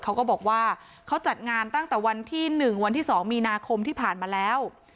เขาก็บอกว่าเขาจัดงานตั้งแต่วันที่๑วันที่๒มีนาคมที่ผ่านมาแล้ว